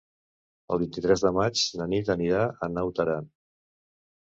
El vint-i-tres de maig na Nit anirà a Naut Aran.